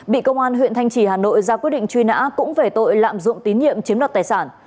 bị công an huyện thanh trì hà nội ra quyết định truy nã cũng về tội lạm dụng tín nhiệm chiếm đoạt tài sản